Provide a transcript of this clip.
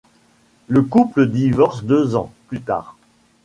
Le couple divorce deux ans plus tard.